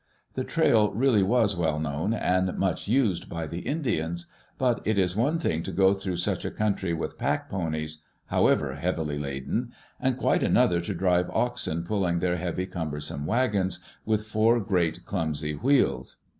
The trail really was well known and much used by the Indians. But it is one thing to go through such a country with pack ponies, how ever heavily laden, and quite another to drive oxen pulling their heavy, cumbersome wagons, with four great clumsy wheels.